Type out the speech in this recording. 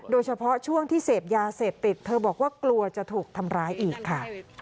โดยเฉพาะช่วงที่เสพยาเสพติดเธอบอกว่ากลัวจะถูกทำร้ายอีกค่ะ